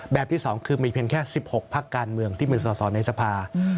ที่๒คือมีเพียงแค่๑๖พักการเมืองที่เป็นสอสอในสภา